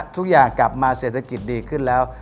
ทุกอย่างกลับมาเศรษฐกิจดีขึ้นแล้ว